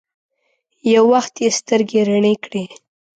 يو وخت يې سترګې رڼې کړې.